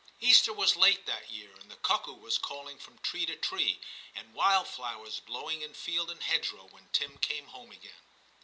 Easter was late that year, and the cuckoo was calling from tree to tree and wildflowers blowing in field and hedgerow when Tim came home again.